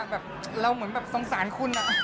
แบบเราเหมือนแบบสงสารคุณ